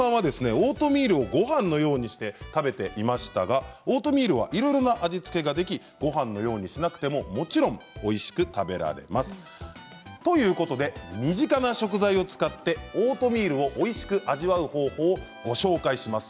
オートミールをごはんのようにして食べていましたがオートミールはいろいろな味付けができごはんのようにしなくてももちろんおいしく食べられます。ということで身近な食材を使ってオートミールをおいしく味わう方法をご紹介します。